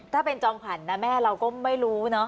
ถ้าเป็นจอมขวัญนะแม่เราก็ไม่รู้เนอะ